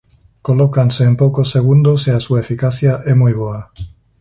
Colócanse en poucos segundos e a súa eficacia é moi boa.